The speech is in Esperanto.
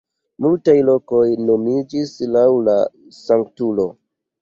Multaj lokoj nomiĝis laŭ la sanktulo.